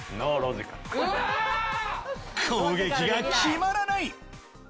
攻撃が決まらない。